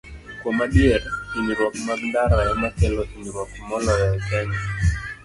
Kuom adier, hinyruok mag ndara ema kelo hinyruok moloyo e Kenya.